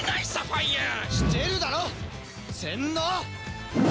してるだろ洗脳！